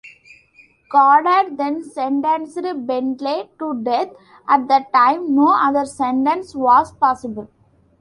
Goddard then sentenced Bentley to death: at the time, no other sentence was possible.